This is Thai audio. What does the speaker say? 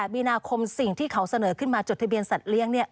มีนาคมสิ่งที่เขาเสนอขึ้นมาจดทะเบียนสัตว์เลี้ยง